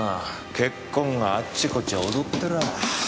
血痕があっちこっち踊ってらぁ。